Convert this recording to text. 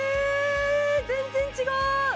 全然違う！